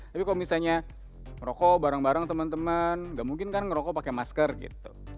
tapi kalau misalnya merokok bareng bareng teman teman gak mungkin kan ngerokok pakai masker gitu